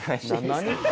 何？